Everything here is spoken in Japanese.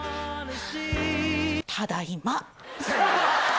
ただいま。